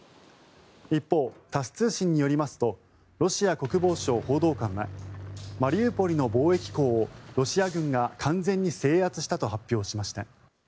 一方、タス通信によりますとロシア国防省報道官はマリウポリの貿易港をロシア軍が完全に制圧したと発表しました。